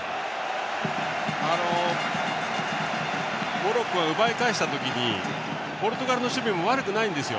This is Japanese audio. モロッコは奪い返した時にポルトガルの守備も悪くないんですよ。